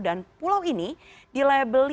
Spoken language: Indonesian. dan pulau ini dilabelirkan